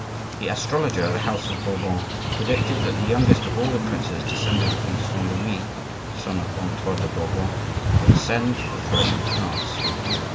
The astrologer of the house of Bourbon predicted that the youngest of all the princes descended from Saint Louis (the son of Antoine de Bourbon) would ascend the throne of France.